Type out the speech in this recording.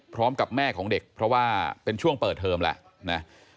พร้อมกับแม่ของเด็กเพราะว่าเป็นช่วงเปิดเทอมแล้วนะ